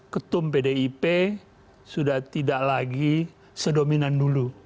ketum pdip sudah tidak lagi sedominan dulu